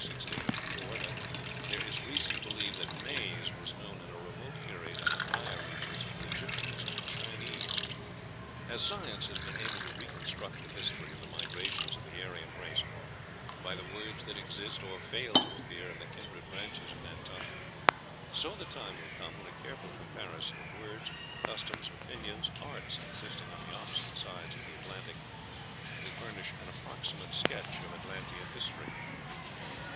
60, ante) that there is reason to believe that maize was known in a remote period in the drier regions of the Egyptians and Chinese. As science has been able to reconstruct the history of the migrations of the Aryan race, by the words that exist or fail to appear in the kindred branches of that tongue, so the time will come when a careful comparison of words, customs, opinions, arts existing on the opposite sides of the Atlantic will furnish an approximate sketch of Atlantean history.